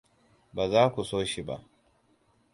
Ba za ku so shi ba.